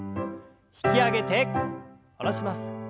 引き上げて下ろします。